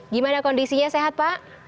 gimana kondisinya sehat pak